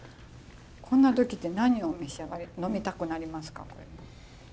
こんな時って何を呑みたくなりますか？